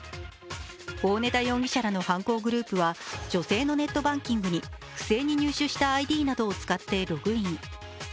大根田容疑者らの犯行グループは女性のネットバンキングに不正に入手したＩＤなどを使ってログイン。